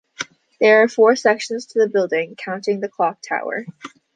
There are four sections to the building, counting the clock tower.